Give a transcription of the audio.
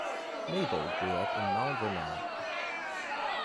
Mabel grew up in Mount Vernon.